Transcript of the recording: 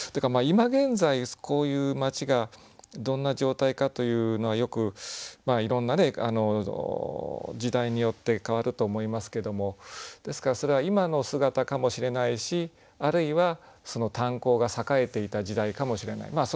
今現在こういう街がどんな状態かというのはよくいろんな時代によって変わると思いますけどもですからそれは今の姿かもしれないしあるいはその炭鉱が栄えていた時代かもしれない。